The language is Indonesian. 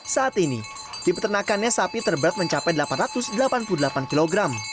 saat ini di peternakannya sapi terberat mencapai delapan ratus delapan puluh delapan kg